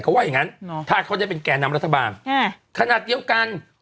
เขาว่าอย่างงั้นถ้าเขาได้เป็นแก่นำรัฐบาลขนาดเดียวกัน